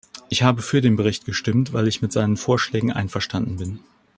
Ich habe für den Bericht gestimmt, weil ich mit seinen Vorschlägen einverstanden bin.